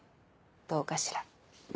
どうかしら。